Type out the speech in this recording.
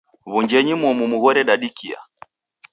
Wunjenyi momu mughore dadikia.